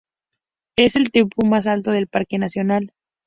Es el tepuy más alto del parque nacional.